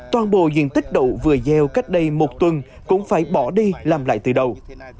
toàn bộ diện tích đậu vừa gieo cách đây một tuần cũng phải bỏ đi làm lại từ đầu